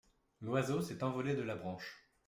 L’oiseau s’est envolé de la branche.